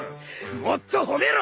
もっと褒めろ！